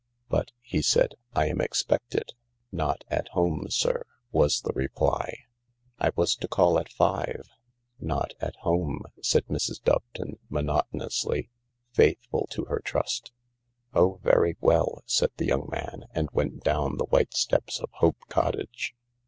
" But," he said, " I am expected." " Not at home, sir," was the reply. 1 'I was to call at five." " Not at home," said Mrs. Doveton monotonously, faith ful to her trust. " very well," said the young man, and went down the white steps of Hope Cottage.